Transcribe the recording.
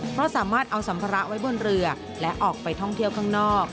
เพราะสามารถเอาสัมภาระไว้บนเรือและออกไปท่องเที่ยวข้างนอก